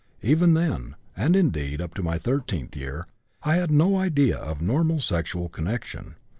Even then and, indeed, up to my 13th year I had no idea of normal sexual connection.